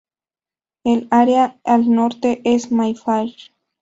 El área al Norte es Mayfair.